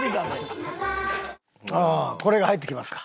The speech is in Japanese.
ああこれが入ってきますか。